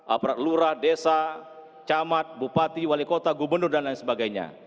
aparat lurah desa camat bupati wali kota gubernur dan lain sebagainya